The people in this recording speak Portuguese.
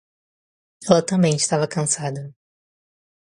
Ela também estava cansada.